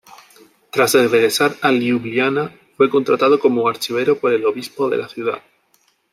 Tras regresar a Liubliana, fue contratado como archivero por el obispo de la ciudad.